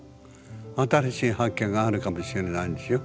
新しい発見があるかもしれないでしょ。